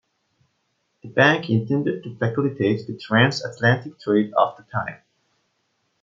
The bank intended to facilitate the trans-Atlantic trade of the time.